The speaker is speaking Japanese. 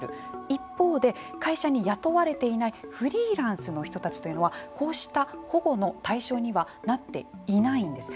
一方で会社に雇われていないフリーランスの人たちというのはこうした保護の対象にはなっていないんです。